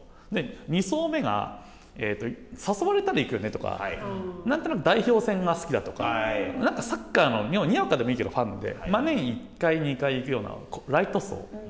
２層目が、誘われたら行くよねとか、何となく代表戦が好きだとか、サッカーの、にわかでもいいからファンで、年１回、２回行くような、ライト層。